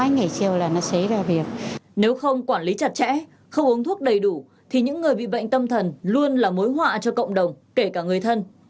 nếu không quản lý chặt chẽ không uống thuốc đầy đủ thì những người bị bệnh tâm thần luôn là mối họa cho cộng đồng kể cả người thân